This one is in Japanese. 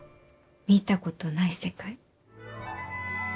見たことない世界？